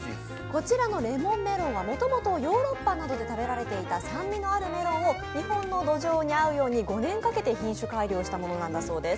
こちらのレモンメロンはもともとヨーロッパなどで食べられていた酸味のあるメロンを日本の土壌に合うように５年かけて品種改良したものなんだそうです。